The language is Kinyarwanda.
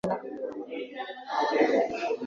Cinema y’Ubuhinde ni imwe mu nganda zigorana